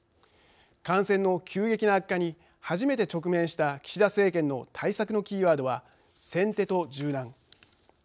感染の急激な悪化に初めて直面した岸田政権の対策のキーワードは先手と柔軟。